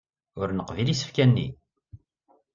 Ur neqbil isefka-nni.